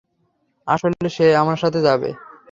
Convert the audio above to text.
আসলে, সে আমার সাথে যাবে।